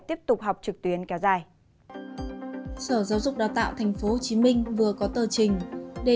tiếp tục học trực tuyến kéo dài sở giáo dục và đào tạo thành phố hồ chí minh vừa có tờ trình đề